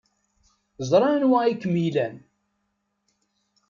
Ẓran anwa ay kem-ilan.